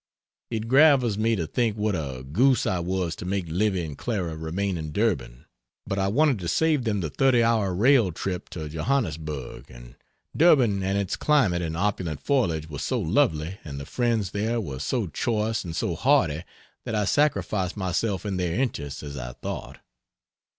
It gravels me to think what a goose I was to make Livy and Clara remain in Durban; but I wanted to save them the 30 hour railway trip to Johannesburg. And Durban and its climate and opulent foliage were so lovely, and the friends there were so choice and so hearty that I sacrificed myself in their interests, as I thought.